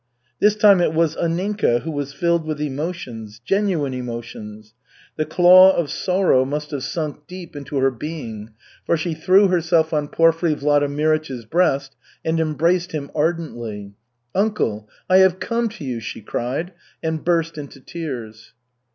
This time it was Anninka who was filled with emotions, genuine emotions. The claw of sorrow must have sunk deep into her being, for she threw herself on Porfiry Vladimirych's breast and embraced him ardently. "Uncle, I have come to you!" she cried, and burst into tears.